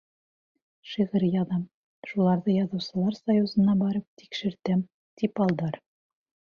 Шиғыр яҙам, шуларҙы Яҙыусылар союзына барып тикшертәм, тип алдар.